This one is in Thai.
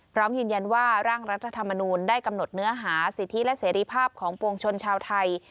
พร้อมยืนยันว่าร่างรัฐธรรมนูลได้กำหนดเนื้อหาสิทธิและเสรีภาพของปวงชนชาวไทย